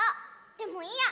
でもいいや！